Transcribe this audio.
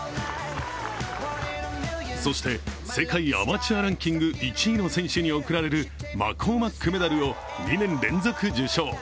そして、世界アマチュアランキング１位の選手に贈られるマコーマックメダルを２年連続受賞。